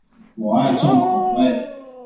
我愛重口味